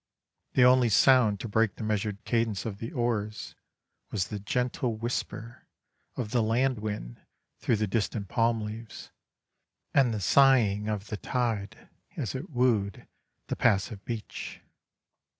The only sound to break the measured cadence of the oars was the gentle whisper of the land wind through the distant palm leaves, and the sighing of the tide as it wooed the passive beach.